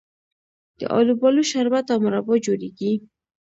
د الوبالو شربت او مربا جوړیږي.